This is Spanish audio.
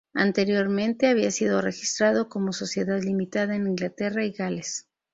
Anteriormente había sido registrado como sociedad limitada en Inglaterra y Gales.